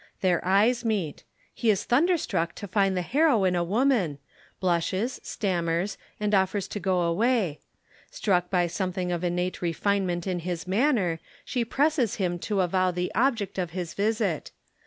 Their eyes meet. He is thunderstruck to find the heroine a woman; blushes, stammers, and offers to go away. Struck by something of innate refinement in his manner, she presses him to avow the object of his visit.